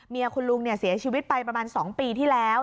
เมียคุณลุงเนี่ยเสียชีวิตไปประมาณสองปีที่แล้ว